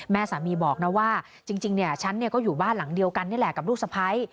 แม่สามีบอกนะว่าจริงฉันก็อยู่บ้านหลังเดียวกันนี่แหละกับลูกสะพ้าย